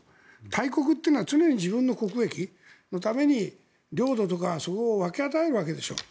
大国というのは常に自分の国益のために領土とかそこを分け与えるわけでしょう。